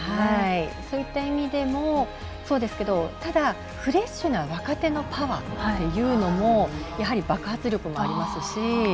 そういった意味でもそうですけどフレッシュな若手のパワーもやはり爆発力もありますし